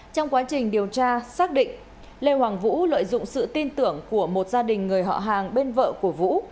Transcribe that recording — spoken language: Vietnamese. trong quá trình điều tra xác định lê hoàng vũ lợi dụng sự tin tưởng của một gia đình người họ hàng bên vợ của vũ